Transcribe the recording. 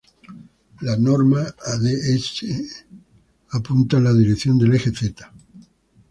La normal a d"S" apunta en la dirección del eje "z".